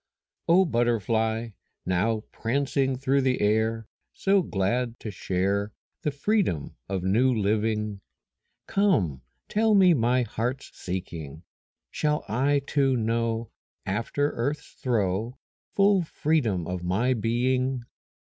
O butterfly, now prancing Through the air, So glad to share The freedom of new living, Come, tell me my heart's seeking. Shall I too know After earth's throe Full freedom of my being?